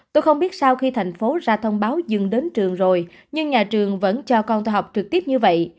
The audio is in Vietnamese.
tôi không biết sau khi thành phố ra thông báo dừng đến trường rồi nhưng nhà trường vẫn cho con theo học trực tiếp như vậy